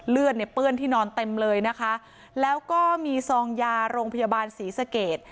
เลือดเนี่ยเปื้อนที่นอนเต็มเลยนะคะแล้วก็มีซองยาโรงพยาบาลศรีสเกต